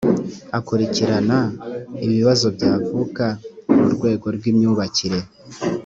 akurikirana ibibazo byavuka mu rwego rw’imyubakire